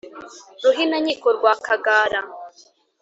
Ruhinankiko rwa Rwakagara